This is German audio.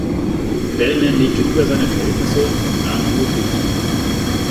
Bellman lebte über seine Verhältnisse und nahm hohe Kredite auf.